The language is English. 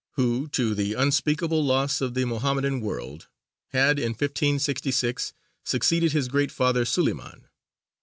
who, to the unspeakable loss of the Mohammedan world, had in 1566 succeeded his great father Suleymān.